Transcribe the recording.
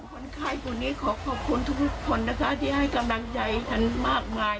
คนไข้คนนี้ขอขอบคุณทุกคนนะคะที่ให้กำลังใจฉันมากมาย